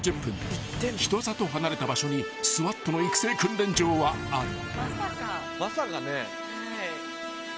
［人里離れた場所にＳＷＡＴの育成訓練場はある］